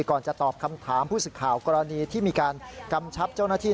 จะตอบคำถามผู้สึกข่าวกรณีที่มีการกำชับเจ้าหน้าที่